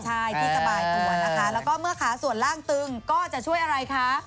ใช่ที่สบายตัวนะคะแล้วก็เมื่อขาส่วนล่างตึงก็จะช่วยอะไรคะ